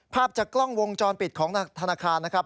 ภาพจากกล้องวงจรปิดของธนาคารนะครับ